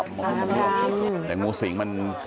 ป่านกลับมาหมด